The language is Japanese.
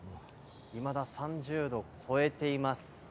未だ３０度を超えています。